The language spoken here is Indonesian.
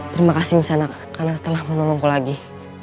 terima kasih nisanak karena telah menolongku lagi